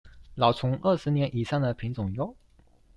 老欉二十年以上的品種唷